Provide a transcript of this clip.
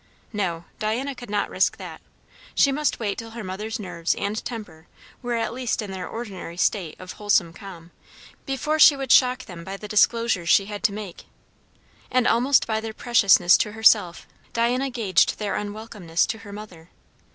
No; Diana could not risk that. She must wait till her mother's nerves and temper were at least in their ordinary state of wholesome calm, before she would shock them by the disclosures she had to make. And almost by their preciousness to herself, Diana gauged their unwelcomeness to her mother.